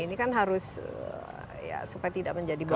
ini kan harus ya supaya tidak menjadi beban